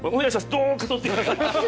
どうかとってください。